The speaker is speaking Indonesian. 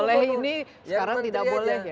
boleh ini sekarang tidak boleh